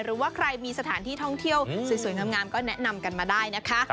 หรือว่าใครมีสถานที่ท่องเที่ยวสวยงามก็แนะนำกันมาได้นะคะ